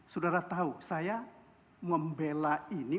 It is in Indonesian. saudara tahu saya membela ini